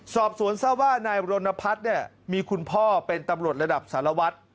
สอบสวนทราบว่านายรณพัฒน์เนี่ยมีคุณพ่อเป็นตำรวจระดับสารวัตร